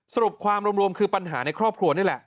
สรุปความรวมคือปัญหาในครอบครัวนี่แหละ